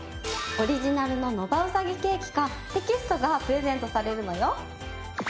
オリジナルのＮＯＶＡうさぎケーキかテキストがプレゼントされるのよ。